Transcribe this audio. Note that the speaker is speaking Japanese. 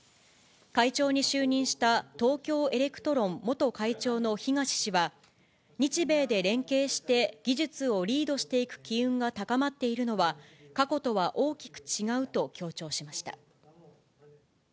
会長に就任した東京エレクトロン元会長の東氏は、日米で連携して技術をリードしていく機運が高まっているのは、過去とは大きく違うと強調しました。